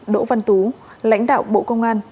đỗ văn tú lãnh đạo bộ công an